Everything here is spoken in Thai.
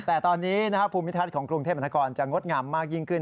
แต่ตอนนี้ภูมิทัศน์ของกรุงเทพมนาคมจะงดงามมากยิ่งขึ้น